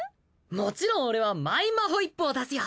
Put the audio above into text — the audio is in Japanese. もちろん俺はマイマホイップを出すよ。